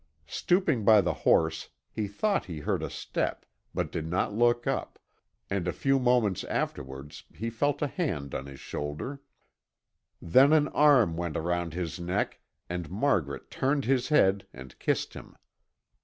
Stooping by the horse, he thought he heard a step, but did not look up, and a few moments afterwards he felt a hand on his shoulder. Then an arm went around his neck and Margaret turned his head and kissed him.